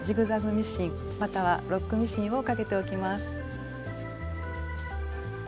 ミシンまたはロックミシンをかけておきます。